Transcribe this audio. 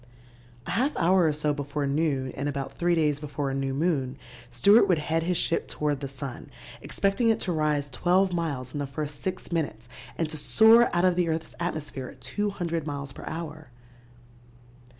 A half hour or so before noon and about three days before a new moon, Stewart would head his ship toward the sun, expecting it to rise twelve miles in the first six minutes and to soar out of the earth's atmosphere at 200 miles per hour.